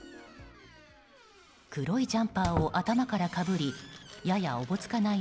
黒いジャンパーを頭からかぶりややおぼつかない